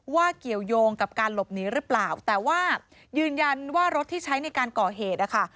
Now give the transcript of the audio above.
เกี่ยวยงกับการหลบหนีหรือเปล่าแต่ว่ายืนยันว่ารถที่ใช้ในการก่อเหตุนะคะ